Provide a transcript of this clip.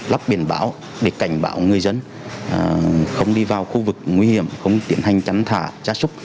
lắp biển báo để cảnh báo người dân không đi vào khu vực nguy hiểm không tiến hành tránh thả